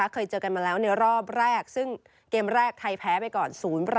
เคยเจอกันมาแล้วในรอบแรกซึ่งเกมแรกไทยแพ้ไปก่อน๐